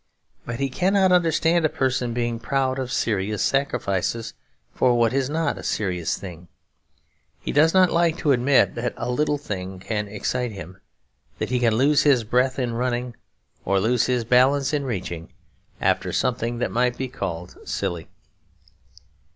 But he cannot understand a person being proud of serious sacrifices for what is not a serious thing. He does not like to admit that a little thing can excite him; that he can lose his breath in running, or lose his balance in reaching, after something that might be called silly.